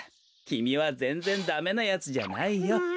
きみはぜんぜんダメなやつじゃないよ。